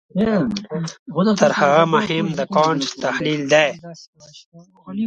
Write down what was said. تر هغه مهم د کانټ تحلیل دی.